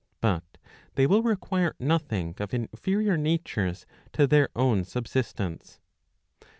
But they will require nothing of inferior natures to their own subsistence.